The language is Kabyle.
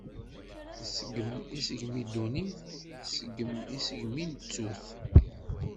Tesgem isegmi ddunit, tesgem isegmi n ttut.